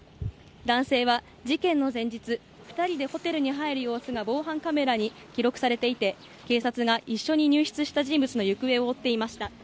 男性は事件の前日２人でホテルに入る様子が防犯カメラに記録されていて警察が一緒に入室した人物の行方を追っていました。